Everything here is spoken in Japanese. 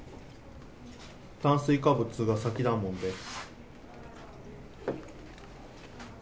炭水化物が先だもんで。